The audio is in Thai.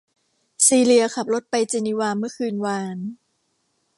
ซีเลียขับรถไปเจนีวาเมื่อคืนวาน